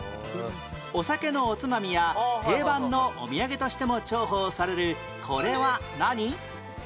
お酒のおつまみや定番のお土産としても重宝されるこれは何？